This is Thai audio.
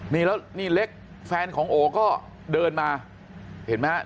นี่แล้วนี่เล็กแฟนของโอก็เดินมาเห็นไหมฮะ